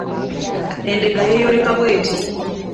Endeega yeeyoleka bw’eti: